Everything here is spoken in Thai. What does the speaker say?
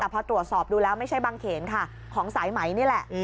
แต่พอตรวจสอบดูแล้วไม่ใช่บางเขนค่ะของสายไหมนี่แหละ